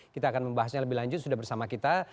kita akan membahasnya lebih lanjut sudah bersama kita